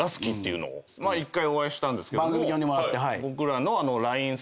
１回お会いしたんですけども。